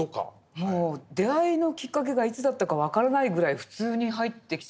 もう出会いのきっかけがいつだったか分からないぐらい普通に入ってきた。